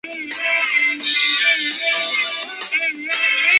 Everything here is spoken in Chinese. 首府布尔干。